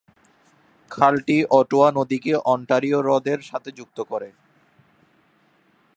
খালটি Ottawa নদীকে Ontario হ্রদের সাথে যুক্ত করে।